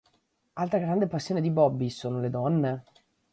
Altra grande passione di Bobby sono le donne.